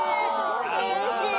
悔しい。